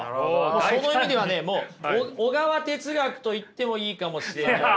その意味ではねもう小川哲学と言ってもいいかもしれない。